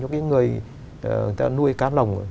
cho cái người người ta nuôi cá lồng